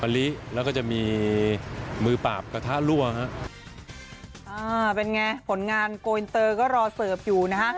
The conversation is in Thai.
อลิแล้วก็จะมีมือปราบกระทะลั่วครับอ่าเป็นไงผลงานโกวินเตอร์ก็รอเสิร์ฟอยู่นะฮะ